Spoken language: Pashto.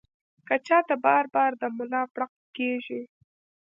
کۀ چاته بار بار د ملا پړق کيږي